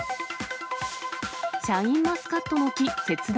シャインマスカットの木、切断。